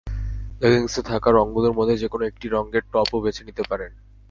লেগিংসে থাকা রংগুলোর মধ্য থেকে যেকোনো একটি রঙের টপও বেছে নিতে পারেন।